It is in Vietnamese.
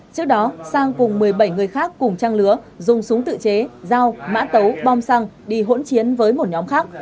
trước đó sang cùng một mươi bảy người khác cùng trang lứa dùng súng tự chế dao mã tấu bom xăng đi hỗn chiến với một nhóm khác